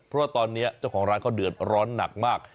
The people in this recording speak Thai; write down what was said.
เพราะว่าตอนนี้เจ้าของร้านเขาเดือดร้อนหนักมาก